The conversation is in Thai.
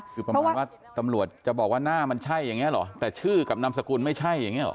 คือประมาณว่าตำรวจจะบอกว่าหน้ามันใช่อย่างนี้เหรอแต่ชื่อกับนามสกุลไม่ใช่อย่างนี้หรอ